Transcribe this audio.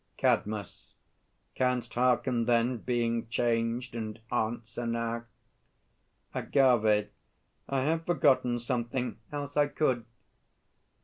CADMUS. Canst hearken then, being changed, and answer, now? AGAVE. I have forgotten something; else I could.